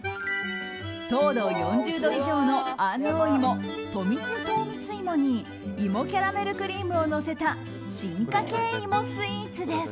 糖度４０度以上の安納芋とみつ糖蜜芋に芋キャラメルクリームをのせた進化系芋スイーツです。